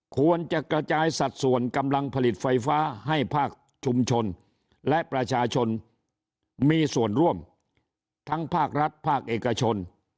ควรจะกระจายสัดส่วนกำลังผลิตไฟฟ้าให้ภาคชุมชนและประชาชนมีส่วนร่วมทั้งภาครัฐภาคเอกชน